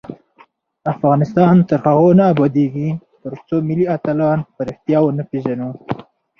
افغانستان تر هغو نه ابادیږي، ترڅو ملي اتلان په ریښتیا ونه پیژنو.